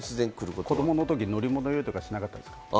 子どものとき乗り物酔いとかしなかったですか？